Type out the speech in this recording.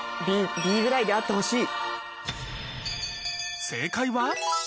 Ｂぐらいであってほしい。